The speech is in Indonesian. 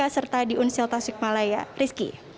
serta di unsel tasik malaya rizky